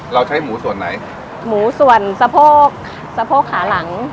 เราใช้หมูส่วนไหนหมูส่วนสะโพกสะโพกขาหลัง